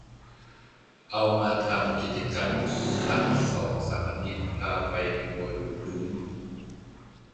เอามาทำกิจกรรมสักสองสามอาทิตย์ พาไปทัวร์ดูพื้น